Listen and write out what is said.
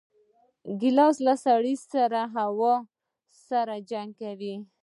ګیلاس له سړې هوا سره جګړه کوي.